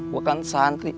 gua kan santri